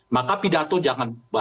maka pidato jangan